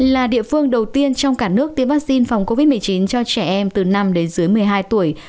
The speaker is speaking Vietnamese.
là địa phương đầu tiên trong cả nước tiêm vaccine phòng covid một mươi chín cho trẻ em từ năm đến dưới một mươi hai tuổi